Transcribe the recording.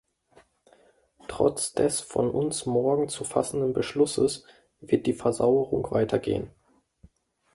Trotz des von uns morgen zu fassenden Beschlusses wird die Versauerung weitergehen.